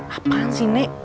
apaan sih nek